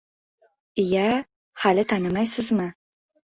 — Iya, hali tanimaysizmi?